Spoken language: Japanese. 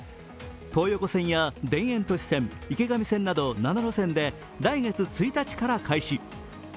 東横線や田園都市線、池上線など７路線で来月１日から開始。